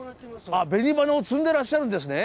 あ紅花を摘んでらっしゃるんですね。